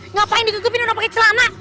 ngapain dikutupin udah pakai celana